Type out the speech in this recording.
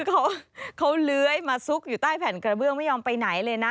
เขาเลื้อยมาซุกอยู่ใต้แผ่นกระเบื้องไม่ยอมไปไหนเลยนะ